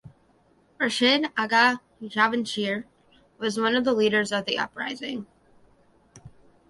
Rashid agha Javanshir was one of the leaders of the uprising.